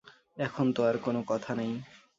এখন আর তো কোনো কথা নেই।